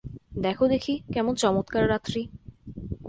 দেখো দেখি কেমন চমৎকার রাত্রি।